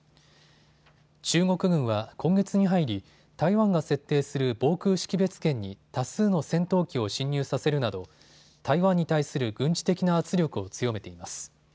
中国軍は今月に入り、台湾が設定する防空識別圏に多数の戦闘機を進入させるなど台湾に対する軍事的な圧力を強めています。